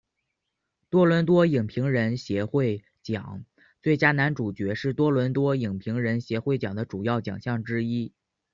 多伦多影评人协会奖最佳男主角是多伦多影评人协会奖的主要奖项之一。